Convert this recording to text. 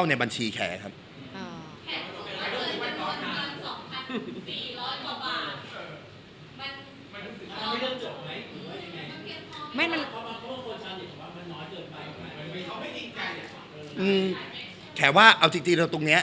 สงสัยทำน้อยตื่อดไปไม่เขม้วงแกว่าเอาจริงจริงเรามันตรงเนี้ย